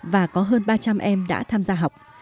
và có hơn ba trăm linh em đã tham gia học